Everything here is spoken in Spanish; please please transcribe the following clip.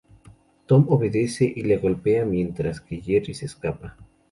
Tom obedece y le golpea mientras que Jerry se escapa.